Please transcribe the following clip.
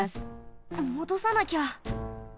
もどさなきゃ！